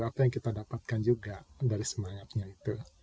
apa yang kita dapatkan juga dari semangatnya itu